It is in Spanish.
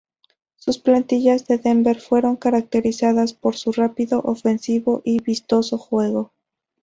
Sus plantillas de Denver fueron caracterizadas por su rápido, ofensivo y vistoso juego.